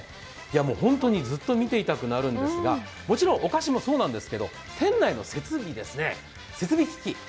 本当にずっと見ていたくなるんですがもちろんお菓子もそうなんですけど店内の設備機器